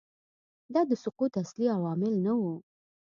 دا د سقوط اصلي عوامل نه وو